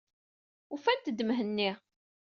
Ufant-d Mhenni.